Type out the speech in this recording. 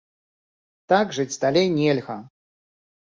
Так жыць далей нельга!